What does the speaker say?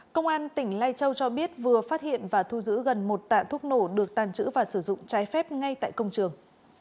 công an tỉnh lai châu cho biết vừa phát hiện và thu giữ gần một tạ thuốc nổ được tàn trữ và sử dụng trái phép ngay tại công trường